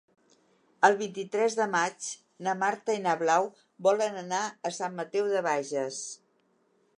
El vint-i-tres de maig na Marta i na Blau volen anar a Sant Mateu de Bages.